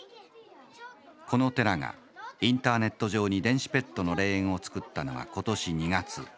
この寺がインターネット上に電子ペットの霊園を作ったのは今年２月。